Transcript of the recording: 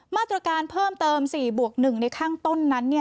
มาตรการเพิ่มเติม๔บวก๑ในข้างต้นนั้น